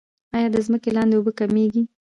آیا د ځمکې لاندې اوبه کمیږي؟